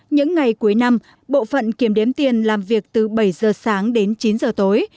những ngày cuối năm bộ phận kiểm đếm tiền làm việc từ bảy giờ sáng đến chín giờ tối